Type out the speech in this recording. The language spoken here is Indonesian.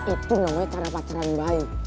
itu namanya cara pacaran baik